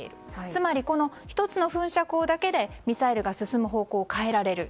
つまり、１つの噴射口だけでミサイルが進む方向を変えられる。